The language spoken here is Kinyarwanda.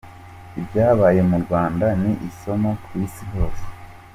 Ibyabaye mu Rwanda ni isomo ku isi hose.